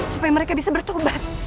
supaya mereka bisa bertobat